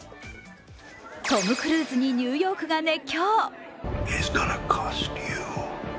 トム・クルーズにニューヨークが熱狂。